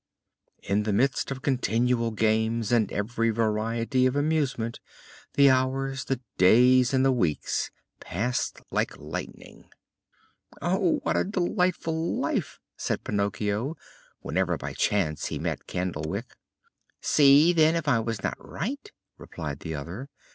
In the midst of continual games and every variety of amusement, the hours, the days and the weeks passed like lightning. "Oh, what a delightful life!" said Pinocchio, whenever by chance he met Candlewick. "See, then, if I was not right?" replied the other.